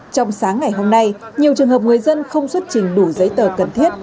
trong sáng ngày hôm nay nhiều trường hợp người dân không xuất trình đủ giấy tờ cần thiết